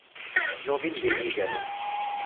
নবীন বেরিয়ে গেল।